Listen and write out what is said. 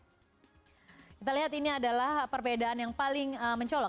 kita lihat ini adalah perbedaan yang paling mencolok